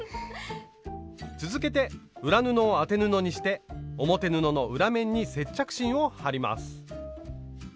続けて裏布を当て布にして表布の裏面に接着芯を貼ります。